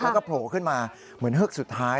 แล้วก็โผล่ขึ้นมาเหมือนเฮือกสุดท้าย